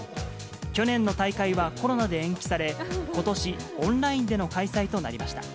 去年の大会はコロナで延期され、ことし、オンラインでの開催となりました。